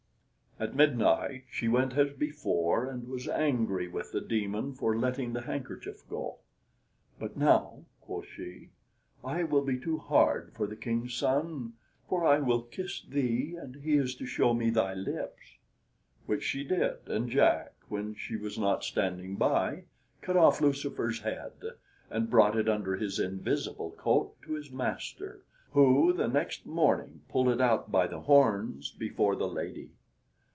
At midnight she went as before, and was angry with the demon for letting the handkerchief go. "But now," quoth she, "I will be too hard for the King's son, for I will kiss thee and he is to show me thy lips." Which she did, and Jack, when she was not standing by, cut off Lucifer's head and, brought it under his invisible coat to his master, who the next morning pulled it out by the horns before the lady.